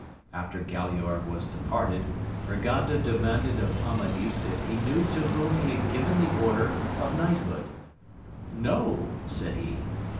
After Galaor was departed, Urganda demanded of Amadis if he knew to whom he had given the order of knighthood. No, said he.